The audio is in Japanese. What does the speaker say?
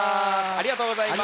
ありがとうございます。